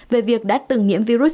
về việc đã từng nhiễm virus